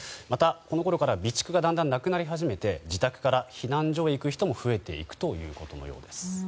このころから備蓄がだんだん減り始めて自宅から避難所に行く方も増えていくといいます。